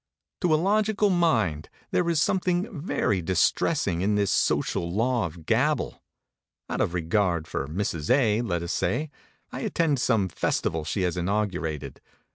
To a logical mind there is something very distressing in this social law of gabble. Out of regard for Mrs. A, let us say, I attend some festival she has inaugurated.